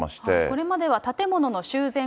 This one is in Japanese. これまでは建物の修繕